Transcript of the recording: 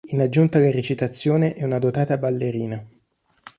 In aggiunta alla recitazione è una dotata ballerina.